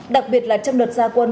đặc biệt là trong đợt gia quân